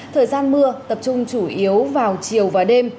thời gian mưa tập trung chủ yếu vào chiều và đêm